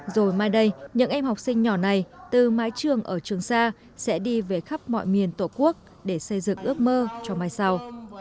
rồi mai đây những em học sinh nhỏ này từ mái trường ở trường sa sẽ đi về khắp mọi miền tổ quốc để xây dựng ước mơ cho mai sau